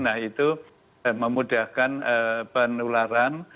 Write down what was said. nah itu memudahkan penularan